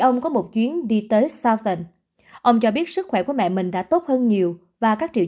ông có một chuyến đi tới sao tình ông cho biết sức khỏe của mẹ mình đã tốt hơn nhiều và các triệu